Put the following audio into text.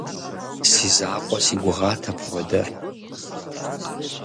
Си закъуэ си гугъат апхуэдэр.